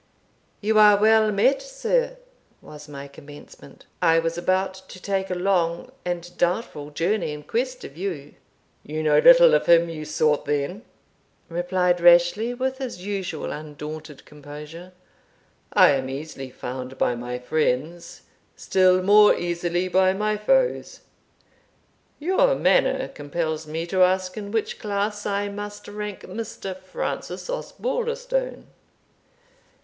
"You are well met, sir," was my commencement; "I was about to take a long and doubtful journey in quest of you." "You know little of him you sought then," replied Rashleigh, with his usual undaunted composure. "I am easily found by my friends still more easily by my foes; your manner compels me to ask in which class I must rank Mr. Francis Osbaldistone?"